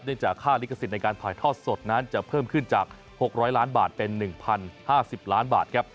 จากค่าลิขสิทธิ์ในการถ่ายทอดสดนั้นจะเพิ่มขึ้นจาก๖๐๐ล้านบาทเป็น๑๐๕๐ล้านบาทครับ